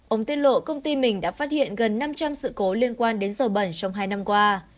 ông tiết lộ công ty mình đã phát hiện gần năm trăm linh sự cố liên quan đến giờ bẩn trong hai năm qua